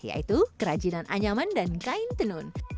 yaitu kerajinan anyaman dan kain tenun